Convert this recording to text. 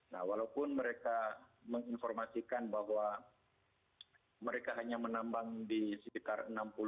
nah walaupun mereka menginformasikan bahwa mereka hanya menambang di sekitar enam puluh